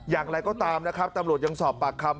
อย่างไรก็ตามนะครับตำรวจยังสอบปากคำ